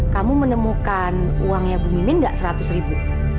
kamu menemukan uangnya bu mimin gak seratus ribu